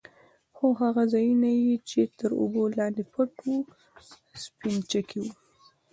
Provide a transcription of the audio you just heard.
خو هغه ځايونه يې چې تر اوبو لاندې پټ وو سپينچکي وو.